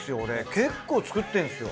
結構作ってんすよ。